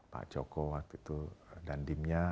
pak joko waktu itu dandimnya